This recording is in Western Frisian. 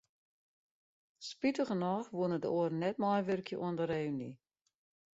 Spitigernôch woene de oaren net meiwurkje oan de reüny.